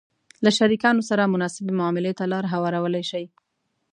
-له شریکانو سره مناسبې معاملې ته لار هوارولای شئ